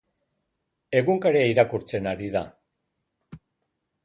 Egunkaria irakurtzen ari da.